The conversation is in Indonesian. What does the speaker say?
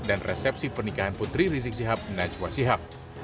dan resepsi pernikahan putri rizik sihab najwa sihab